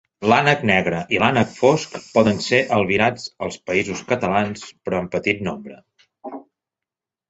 L'ànec negre i l'ànec fosc poden ser albirats als Països Catalans però en petit nombre.